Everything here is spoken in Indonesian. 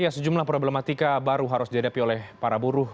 sejumlah problematika baru harus dihadapi oleh para buruh